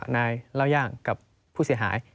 นายเล่าย่างกับผู้เสียหาย